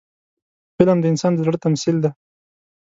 فلم د انسان د زړه تمثیل دی